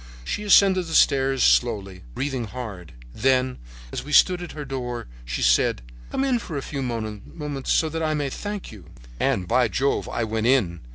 She ascended the stairs slowly, breathing hard. Then, as we stood at her door, she said: "'Come in a few moments so that I may thank you.' "And, by Jove, I went in.